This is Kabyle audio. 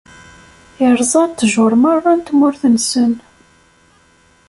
Irẓa ttjur merra n tmurt-nsen.